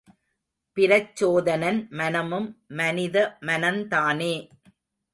பிரச்சோதனன் மனமும் மனித மனந்தானே!